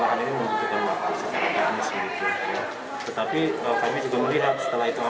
lahan ini membutuhkan waktu secara karnis begitu ya tetapi kami juga melihat setelah itu ambles